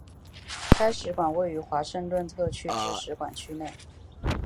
该使馆位于华盛顿特区之使馆区内。